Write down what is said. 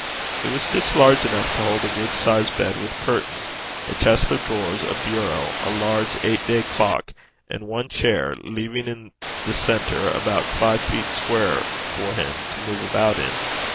It was just large enough to hold a good sized bed with curtains, a chest of drawers, a bureau, a large eight day clock, and one chair, leaving in the centre about five feet square for him to move about in.